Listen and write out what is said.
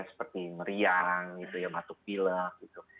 seperti meriang matuk pilek gitu